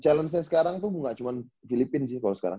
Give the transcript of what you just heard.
challenge nya sekarang tuh gak cuma filipina sih kalau sekarang